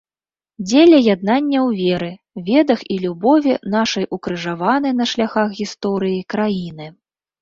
Дзеля яднання ў веры, ведах і любові нашай укрыжаванай на шляхах гісторыі краіны.